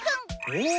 お。